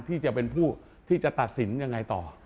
ที่จะเป็นผู้ที่จะตัดสินยังไงต่อ